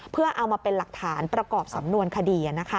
เพื่อเอามาเป็นหลักฐานประกอบสำนวนคดี